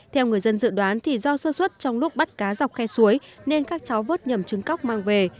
theo người dân dự đoán thì do sơ xuất trong lúc bắt cá dọc khe suối nên các cháu vớt nhầm trứng cóc mang về